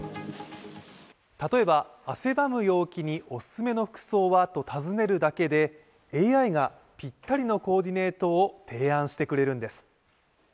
例えば、「汗ばむ陽気におすすめの服装は？」と尋ねるだけでＡＩがぴったりのコーディネートを提案してくれるんです。